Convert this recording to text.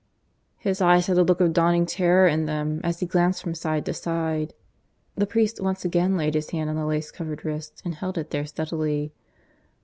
His eyes had a look of dawning terror in them as he glanced from side to side. The priest once again laid his hand on the lace covered wrist and held it there steadily.